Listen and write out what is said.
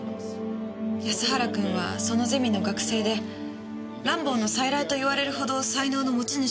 安原君はそのゼミの学生でランボーの再来と言われるほどの才能の持ち主でした。